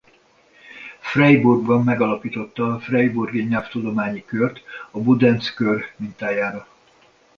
Freiburgban megalapította a Freiburgi Nyelvtudományi Kört a Budenz-kör mintájára.